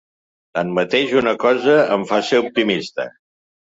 Tanmateix, una cosa em fa ser optimista.